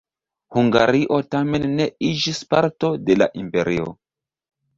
Hungario tamen ne iĝis parto de la imperio.